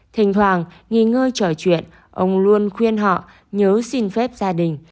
thỉnh thoảng nghỉ ngơi trò chuyện ông luôn khuyên họ nhớ xin phép gia đình